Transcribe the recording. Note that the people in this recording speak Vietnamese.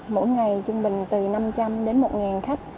mỗi ngày trung bình từ năm trăm linh đến một khách